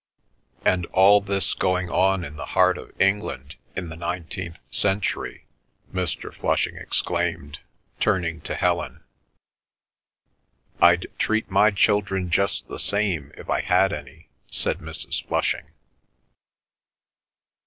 "And all this going on in the heart of England, in the nineteenth century!" Mr. Flushing exclaimed, turning to Helen. "I'd treat my children just the same if I had any," said Mrs. Flushing.